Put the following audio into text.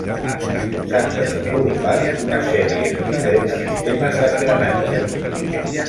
S'han desenvolupat una sèrie de diferents sistemes d'engranatges.